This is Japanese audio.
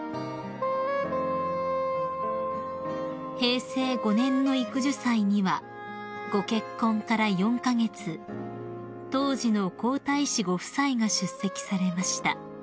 ［平成５年の育樹祭にはご結婚から４カ月当時の皇太子ご夫妻が出席されました］